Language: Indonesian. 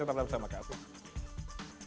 tetap bersama kak asep